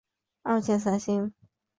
二线三星。